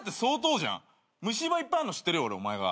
虫歯いっぱいあるの知ってるよお前が。